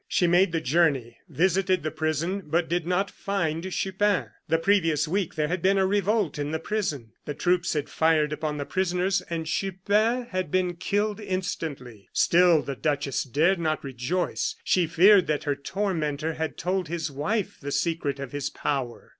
She made the journey, visited the prison, but did not find Chupin. The previous week there had been a revolt in the prison, the troops had fired upon the prisoners, and Chupin had been killed instantly. Still the duchess dared not rejoice. She feared that her tormentor had told his wife the secret of his power.